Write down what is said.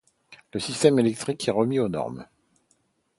Le système électrique est remis aux normes.